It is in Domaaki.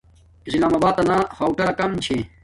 اسلام آباتنا ہوٹلہ کم چھے